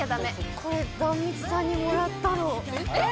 これ壇蜜さんにもらったの・えっ！？